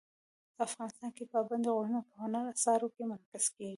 افغانستان کې پابندي غرونه په هنري اثارو کې منعکس کېږي.